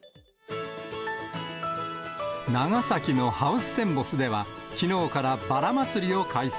長崎のハウステンボスでは、きのうからバラ祭を開催。